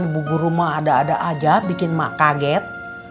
lagi ya bu guru ada ada aja bikin mak kaget